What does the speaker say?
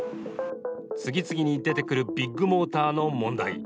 次々に出てくるビッグモーターの問題。